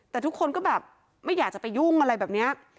แต่ทุกคนก็แบบไม่อยากจะไปยุ่งอะไรแบบนี้